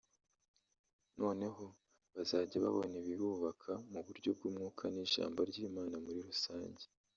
noneho bazajya babona ibibubaka mu buryo bw’umwuka n’ijambo ry’Imana muri rusange